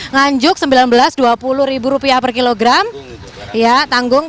nganjur sembilan belas dua puluh ribu rupiah per kilogram ya tanggung